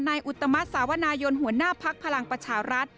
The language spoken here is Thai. อุตมัติสาวนายนหัวหน้าภักดิ์พลังประชารัฐ